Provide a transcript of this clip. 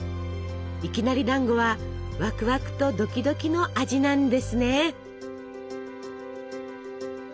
いきなりだんごはワクワクとドキドキの味なんですね！